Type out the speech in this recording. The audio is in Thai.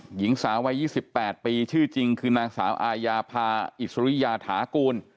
หญิงสาววัย๒๘ปีชื่อจริงคือนางสาวอาญาพาอิสริยาถากูล